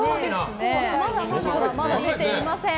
まだまだ出ていません。